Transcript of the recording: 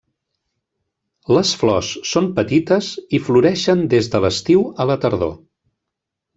Les flors són petites i floreixen des de l'estiu a la tardor.